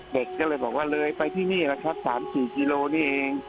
เด็กก็เลยบอกว่าเลยไปที่นี่แหละครับ๓๔กิโลนี่เอง